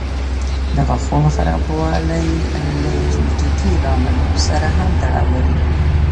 د غاښونو خرابوالی له جینيټیکي لاملونو سره هم تړاو لري.